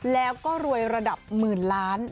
แล้วก็รวยระดับหมื่นล้าน